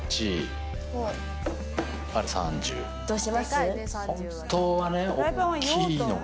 どうします？